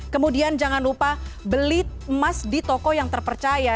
kemudian jangan lupa beli emas di toko yang terpercaya